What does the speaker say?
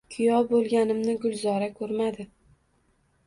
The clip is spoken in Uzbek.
Kuyov bo`lganimni Gulzora ko`rmadi